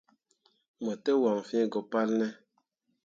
Mo te waŋ fĩĩ go palne ?